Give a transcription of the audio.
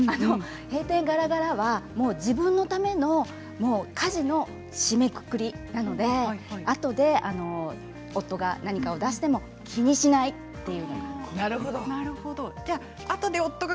閉店ガラガラは自分のための家事の締めくくりなのであとで夫が何かを出しても気にしないということです。